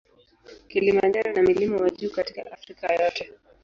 Kilimanjaro na mlima wa juu katika Afrika yote.